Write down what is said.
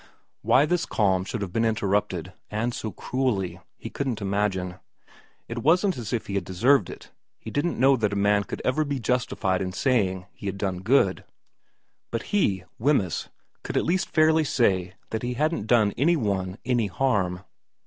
Why this calm should have been interrupted, and so cruelly, he couldn't imagine. It wasn't as if he had deserved it. He didn't know that a man could ever be justified in saying he had done good, but he, Wemyss, could at least fairly say that he hadn't done any one any harm.